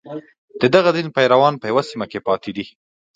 د دغه دین پیروان په یوه سیمه کې پاتې دي.